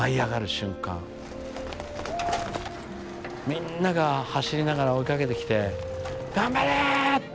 みんなが走りながら追いかけてきて「頑張れ！」っていう。